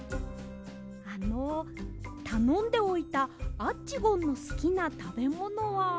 あのたのんでおいたアッチゴンのすきなたべものは。